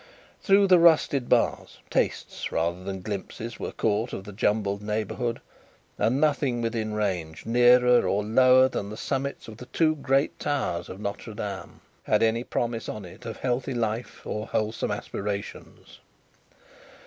Through the rusted bars, tastes, rather than glimpses, were caught of the jumbled neighbourhood; and nothing within range, nearer or lower than the summits of the two great towers of Notre Dame, had any promise on it of healthy life or wholesome aspirations.